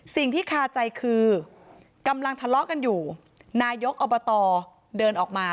คาใจคือกำลังทะเลาะกันอยู่นายกอบตเดินออกมา